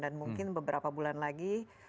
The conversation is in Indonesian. dan mungkin beberapa bulan lagi